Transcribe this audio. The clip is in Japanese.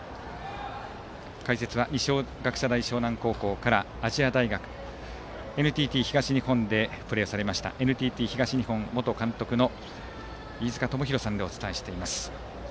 解説は二松学舎大沼南高校から亜細亜大学ＮＴＴ東日本でプレーされましたＮＴＴ東日本元監督の飯塚智広さんでお伝えしています。